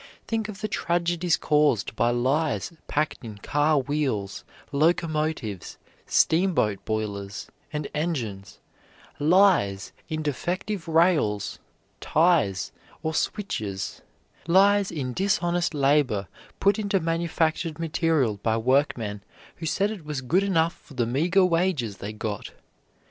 Think of the tragedies caused by lies packed in car wheels, locomotives, steamboat boilers, and engines; lies in defective rails, ties, or switches; lies in dishonest labor put into manufactured material by workmen who said it was good enough for the meager wages they got!